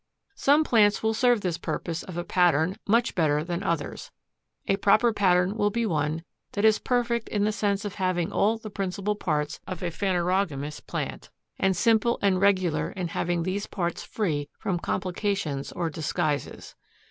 Some plants will serve this purpose of a pattern much better than others. A proper pattern will be one that is perfect in the sense of having all the principal parts of a phanerogamous plant, and simple and regular in having these parts free from complications or disguises.